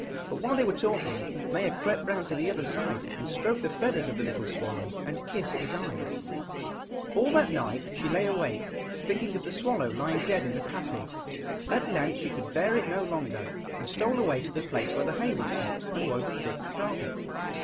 But while they were talking, Maia crept round to the other side and stroked the feathers of the little swallow, and kissed his eyes. All that night she lay awake, thinking of the swallow lying dead in the passage. At length she could bear it no longer, and stole away to the place where the hay was kept, and wove a thick carpet.